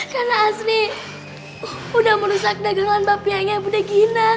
karena asri udah merusak dagangan papianya budegina